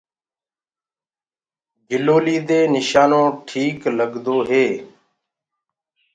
گِلوليٚ دي نِشانو ٽيڪ لگدو هي۔